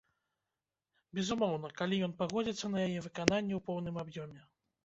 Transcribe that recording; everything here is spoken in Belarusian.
Безумоўна, калі ён пагодзіцца на яе выкананне ў поўным аб'ёме.